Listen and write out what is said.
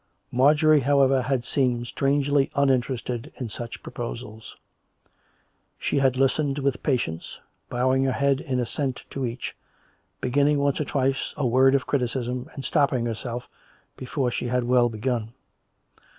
Marjorie, however, had seemed strangely uninterested in such proposals. She had listened with patience, bowing her head in assent to each, beginning once or twice a word of criticism, and stopping herself before she had well begun.